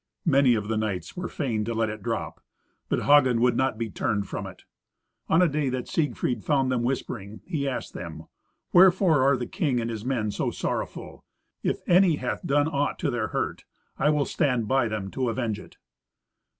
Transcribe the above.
Many of the knights were fain to let it drop, but Hagen would not be turned from it. On a day that Siegfried found them whispering, he asked them, "Wherefore are the king and his men so sorrowful? If any hath done aught to their hurt, I will stand by them to avenge it."